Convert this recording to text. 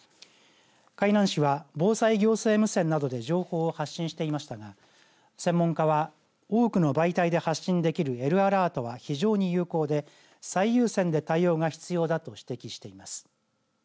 海南市は防災行政無線などで情報を発信していましたが専門家は多くの媒体で発信できるＬアラートは非常に有効で最優先で対応が必要だと指摘しています。